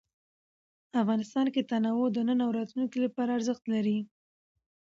افغانستان کې تنوع د نن او راتلونکي لپاره ارزښت لري.